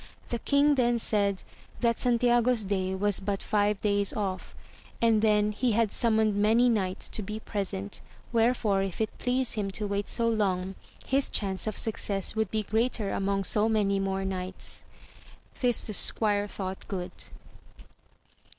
The king then said, that Santiago's day was but five days off, and then he had summoned many knights to be present, wherefore if it pleased him to wait so long, his chance of success would be greater among so many more knights. This the squire thought good.